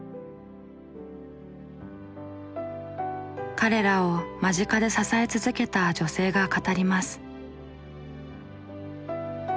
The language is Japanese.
彼らを間近で支え続けた女性が語ります。